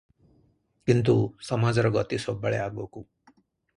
କିନ୍ତୁ ସମାଜର ଗତି ସବୁବେଳେ ଆଗକୁ ।